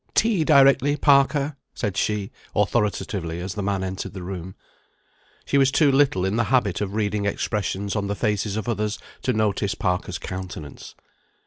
"Tea directly, Parker," said she, authoritatively, as the man entered the room. She was too little in the habit of reading expressions on the faces of others to notice Parker's countenance.